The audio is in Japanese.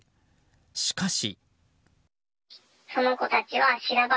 しかし。